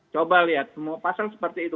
coba lihat semua pasang seperti itu